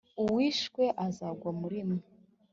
Uwishwe azagwa muri mwe